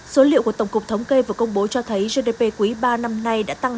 số liệu của tổng cục thống kê vừa công bố cho thấy gdp quý ba năm nay đã tăng năm ba mươi ba